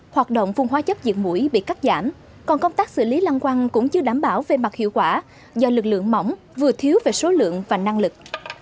hoạt động phun hóa chất diệt mũi bị cắt giảm còn công tác xử lý lăng quăng cũng chưa đảm bảo về mặt hiệu quả do lực lượng mỏng vừa thiếu về số lượng và năng lực